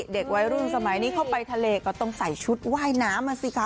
เด็กวัยรุ่นสมัยนี้เข้าไปทะเลก็ต้องใส่ชุดว่ายน้ำอ่ะสิคะ